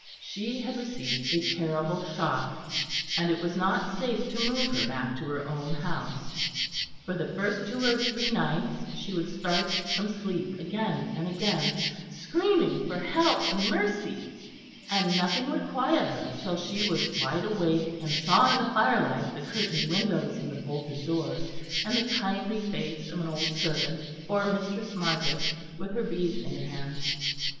She had received a terrible shock, and it was not safe to move her back to her own house. For the first two or three nights, she would start from sleep again and again screaming for help and mercy and nothing would quiet her till she was wide awake and saw in the fire light the curtained windows and the bolted door, and the kindly face of an old servant or Mistress Margaret with her beads in her hand.